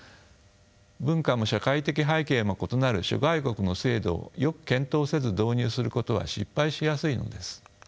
文化も社会的背景も異なる諸外国の制度をよく検討せず導入することは失敗しやすいのです。